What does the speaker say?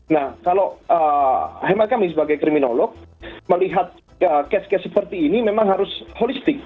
nah kalau hmik misalnya sebagai kriminolog melihat case case seperti ini memang harus holistik